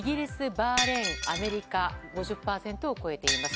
バーレーンアメリカは５０％を超えています。